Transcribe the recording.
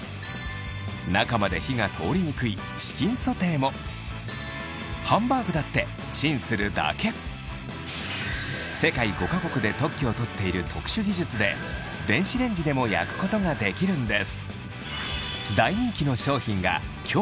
中まで火が通りにくいハンバーグだってチンするだけを取っている特殊技術で電子レンジでも焼くことができるんです